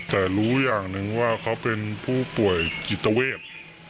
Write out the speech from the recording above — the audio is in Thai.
แต่รู้อย่างหนึ่งว่าเขาเป็นผู้ป่วยจิตเวท